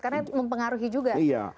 karena mempengaruhi juga